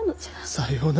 さような。